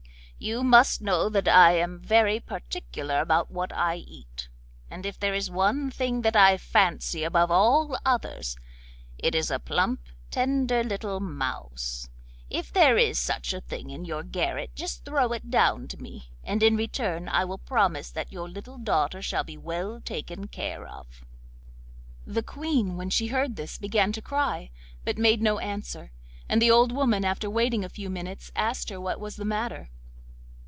You must know that I am very particular about what I eat, and if there is one thing that I fancy above all others, it is a plump, tender little mouse. If there is such a thing in your garret just throw it down to me, and in return I will promise that your little daughter shall be well taken care of.' The Queen when she heard this began to cry, but made no answer, and the old woman after waiting a few minutes asked her what was the matter.